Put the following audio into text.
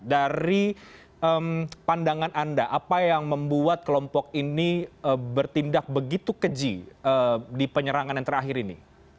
dari pandangan anda apa yang membuat kelompok ini bertindak begitu keji di penyerangan yang terakhir ini